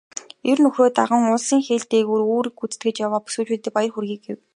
"Эр нөхрөө даган улсын хил дээр үүрэг гүйцэтгэж яваа бүсгүйчүүддээ баяр хүргэе" гэв.